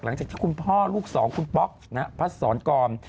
หลังจากที่คุณพ่อลูกสองคุณป๊อกพระสรรคอม